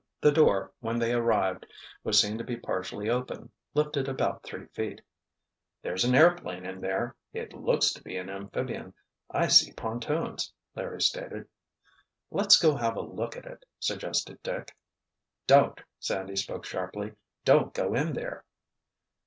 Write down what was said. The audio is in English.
The door, when they arrived, was seen to be partially open, lifted about three feet. "There's an airplane in there—it looks to be an amphibian—I see pontoons!" Larry stated. "Let's go have a look at it," suggested Dick. "Don't!" Sandy spoke sharply. "Don't go in there!"